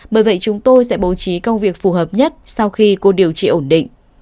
bởi vậy chúng tôi sẽ bố trí công việc phù hợp nhất sau khi cô điều trị ổn định